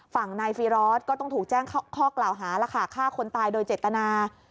ฝั่งนายฟีรอสก็ต้องถูกแจ้งข้อกล่าวหาแล้วค่ะฆ่าคนตายโดยเจตนา